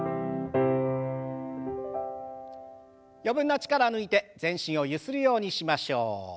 余分な力を抜いて全身をゆするようにしましょう。